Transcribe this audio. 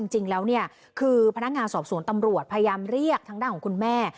จริงแล้วเนี่ยคือพนักงานสอบสวนตำรวจพยายามเรียกทางด้านของคุณแม่